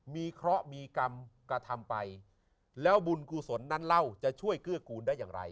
มีเคราะห์มีกรรมกระทำไปแล้วบุญกุศลนั้นเล่าจะช่วยเกื้อกูลได้อย่างไร